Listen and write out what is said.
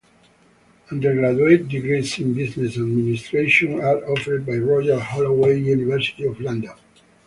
Undergraduate degrees in Business Administration are offered by Royal Holloway, University of London.